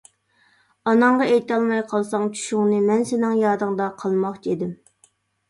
ئاناڭغا ئېيتالماي قالساڭ چۈشۈڭنى، مەن سېنىڭ يادىڭدا قالماقچى ئىدىم.